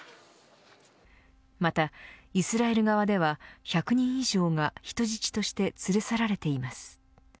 また、イスラエル側では１００人以上が人質として連れ去られています。